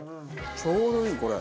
ちょうどいい！これ。